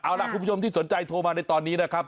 เอาล่ะคุณผู้ชมที่สนใจโทรมาในตอนนี้นะครับ